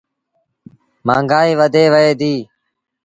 مآݩگآئيٚ وڌي وهي ديٚ۔